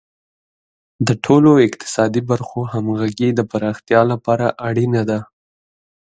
د ټولو اقتصادي برخو همغږي د پراختیا لپاره اړینه ده.